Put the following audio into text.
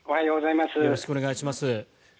よろしくお願いします。